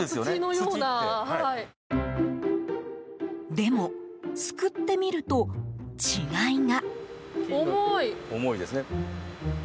でも、すくってみると違いが。